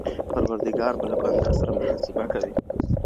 پروردګار به له بنده سره محاسبه کوي.